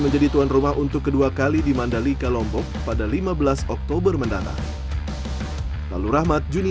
menjadi tuan rumah untuk kedua kali di mandalika lombok pada lima belas oktober mendatang lalu rahmat juni